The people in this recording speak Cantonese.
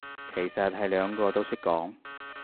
其實係兩個都識講